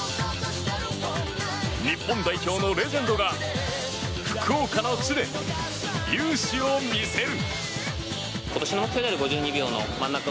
日本代表のレジェンドが福岡の地で雄姿を見せる。